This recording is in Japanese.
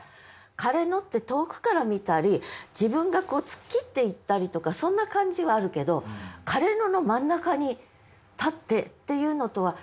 枯野って遠くから見たり自分が突っ切っていったりとかそんな感じはあるけど枯野の真ん中に立ってっていうのとはちょっと空気が違うように思いません？